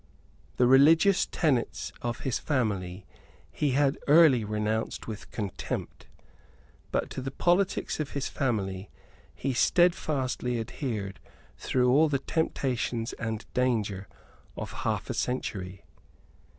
The religious tenets of his family he had early renounced with contempt; but to the politics of his family he stedfastly adhered through all the temptations and dangers of half a century.